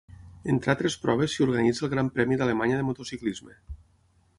Entre altres proves s'hi organitza el Gran Premi d'Alemanya de motociclisme.